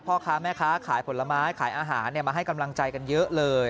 พ่อค้าแม่ค้าขายผลไม้ขายอาหารมาให้กำลังใจกันเยอะเลย